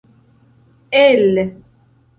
el